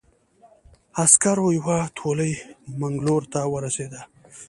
عسکرو یوه تولۍ منګلور ته ورسېده.